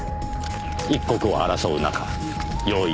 一刻を争う中用意